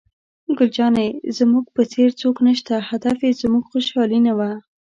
ګل جانې: زموږ په څېر څوک نشته، هدف یې زموږ خوشحالي نه وه.